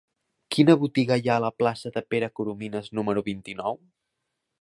Quina botiga hi ha a la plaça de Pere Coromines número vint-i-nou?